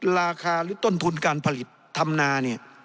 ราคาหรือต้นทุนการผลิตธรรมนาเนี่ย